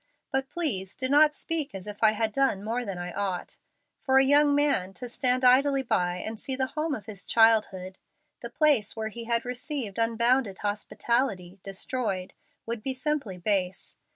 But please do not speak as if I had done more than I ought. For a young man to stand idly by, and see the home of his childhood, the place where he had received unbounded hospitality, destroyed, would be simply base.